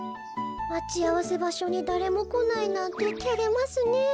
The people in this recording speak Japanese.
まちあわせばしょにだれもこないなんててれますねえ。